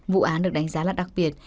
vụ án được đánh giá là đặc biệt